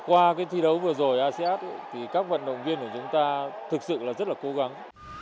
qua cái thi đấu vừa rồi asean thì các vận động viên của chúng ta thực sự là rất là cố gắng